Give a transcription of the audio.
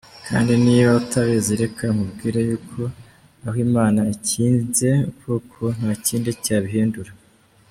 Kandi niba utabizi reka nkubwire yuko, aho Imana ikinze ukuboko, ntakindi cyabihindura.